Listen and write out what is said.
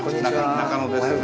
中野です。